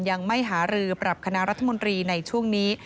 ยังไม่หารือปรับคณะรัฐมนตรีในช่วงนี้